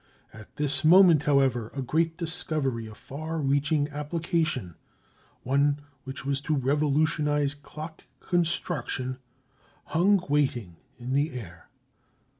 At this moment, however, a great discovery of far reaching application—one which was to revolutionize clock construction—hung waiting in the air.